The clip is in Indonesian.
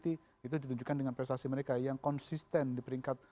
itu ditunjukkan dengan prestasi mereka yang konsisten di peringkat